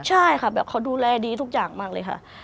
ใช่ค่ะแบบเขาดูแลดีทุกอย่างมากเลยค่ะ